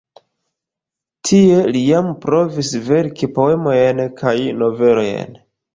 Tie li jam provis verki poemojn kaj novelojn.